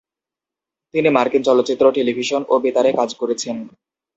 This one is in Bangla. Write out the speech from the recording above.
তিনি মার্কিন চলচ্চিত্র, টেলিভিশন ও বেতারে কাজ করেছেন।